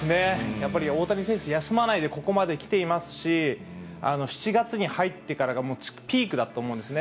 やっぱり大谷選手、休まないでここまで来ていますし、７月に入ってからがもうピークだと思うんですね。